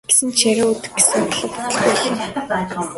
Гэсэн ч яриа өдөх гэсэн оролдлого бүтэлгүй болов.